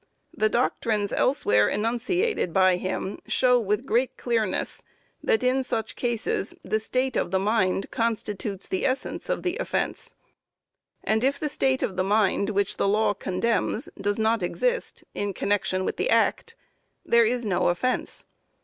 The doctrines elsewhere enunciated by him, show with great clearness, that in such cases the state of the mind constitutes the essence of the offence, and if the state of the mind which the law condemns does not exist, in connection with the act, there is no offence.